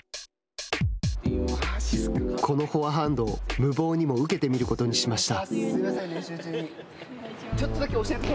このフォアハンドを無謀にも受けてみることにしました。